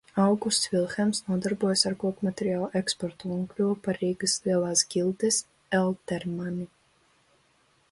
Augusts Vilhelms nodarbojās ar kokmateriālu eksportu un kļuva par Rīgas Lielās ģildes eltermani.